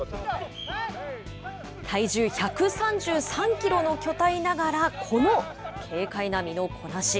体重１３３キロの巨体ながら、この軽快な身のこなし。